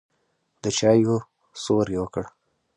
د چايو سور يې وکړ.